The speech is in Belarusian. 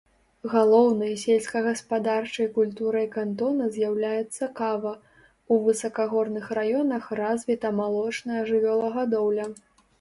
Галоўнай сельскагаспадарчай культурай кантона з'яўляецца кава, у высакагорных раёнах развіта малочная жывёлагадоўля.